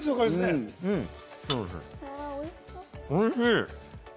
おいしい！